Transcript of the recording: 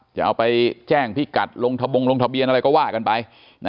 จะเอาไปแจ้งพิกัดลงทะบงลงทะเบียนอะไรก็ว่ากันไป